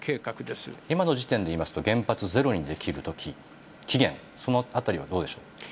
今の時点でいいますと、原発ゼロにできるとき、期限、そのあたりはどうでしょう。